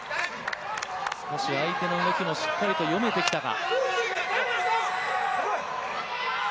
少し相手の動きもしっかりと読めてきたか。